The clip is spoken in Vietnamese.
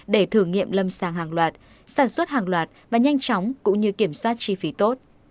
để thử nghiệm lâm sàng hàng loạt sản xuất hàng loạt và nhanh chóng cũng như kiểm soát chi phí tốt